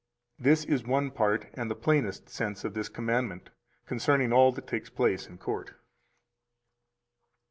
This is one part and the plainest sense of this commandment concerning all that takes place in court.